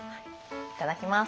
いただきます。